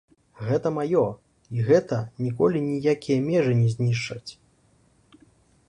Гэта маё, і гэта ніколі ніякія межы не знішчаць.